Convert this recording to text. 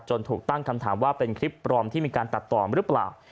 ถูกตั้งคำถามว่าเป็นคลิปปลอมที่มีการตัดต่อหรือเปล่า